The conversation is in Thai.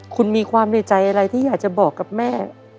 คุณมีความในใจอะไรที่อยากจะบอกกับแม่